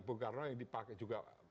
bung karno yang dipakai juga